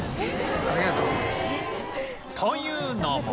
というのも